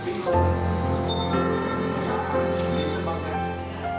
dan kami juga ingin mengucapkan terima kasih kepada para penonton yang telah menonton video ini